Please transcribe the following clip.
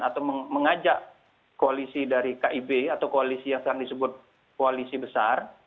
atau mengajak koalisi dari kib atau koalisi yang sering disebut koalisi besar